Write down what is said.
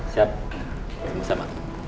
siap ya bisa pak